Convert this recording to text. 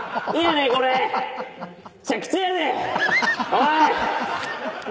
おい！